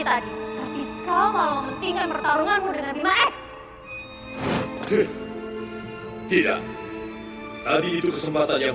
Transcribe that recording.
tadi kau kalau pentingkan pertarunganmu dengan max tidak tadi itu kesempatan yang